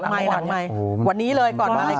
หลังใหม่หลังใหม่วันนี้เลย